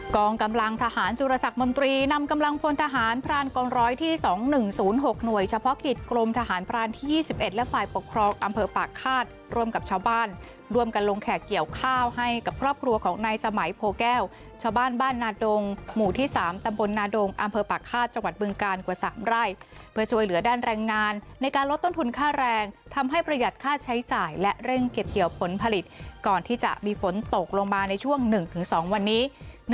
กองกำลังทหารจุฬสัครมนตรีนำกำลังพลทหารพรานกองร้อยที่สองหนึ่งศูนย์หกหน่วยเฉพาะกิจกรมทหารพรานที่ยี่สิบเอ็ดและฝ่ายปกครองอำเภอปากฆาตร่วมกับชาวบ้านร่วมกันลงแขกเกี่ยวข้าวให้กับครอบครัวของในสมัยโพแก้วชาวบ้านบ้านนาดงหมู่ที่สามตำบลนาดงอำเภอปากฆาตจังหวัดบ